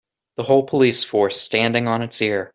The whole police force standing on it's ear.